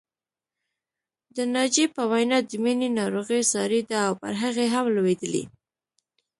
د ناجيې په وینا د مینې ناروغي ساري ده او پر هغې هم لوېدلې